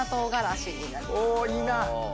おいいな。